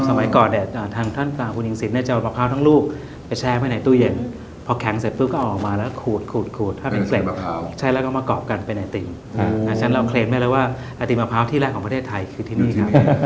สมัยก่อนเนี่ยท่านคุณยิงสินจะเอามะพร้าวทั้งลูก